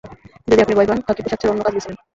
যদি আপনি ভয় পান, খাকি পোশাক ছেড়ে অন্য কাজ বেছে নিন।